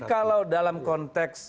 kalau dalam konteks